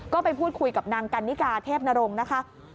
ก็ไปพูดคุยกับนางกันนิกาเทพนรงค์นะคะ